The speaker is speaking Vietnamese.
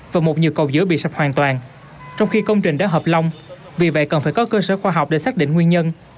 và một nhiều cầu giữa bị sập hoàn toàn trong khi công trình đã hợp long vì vậy cần phải có cơ sở khoa học để xác định nguyên nhân